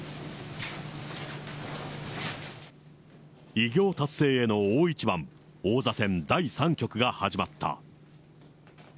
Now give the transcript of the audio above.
偉業達成への大一番、王座戦第３局が始まった。